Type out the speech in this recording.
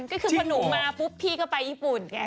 ก็คือพนุคมาพบพี่ก็ไปญี่ปุ่นไง